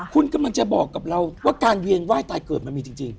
คุณกำลังจะบอกกับเราว่าการเวียนไหว้ตายเกิดมันมีจริง